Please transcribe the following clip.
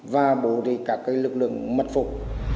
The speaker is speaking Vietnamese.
và bổ đi các cái lực lượng mật phục